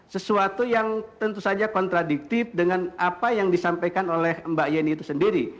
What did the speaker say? sesuatu yang tentu saja kontradiktif dengan apa yang disampaikan oleh mbak yeni itu sendiri